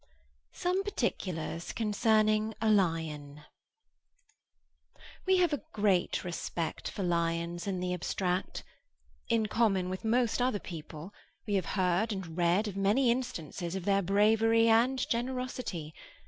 SOME PARTICULARS CONCERNING A LION WE have a great respect for lions in the abstract. In common with most other people, we have heard and read of many instances of their bravery and generosity.